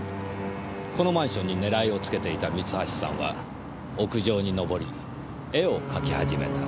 このマンションに狙いをつけていた三橋さんは屋上に上り絵を描き始めた。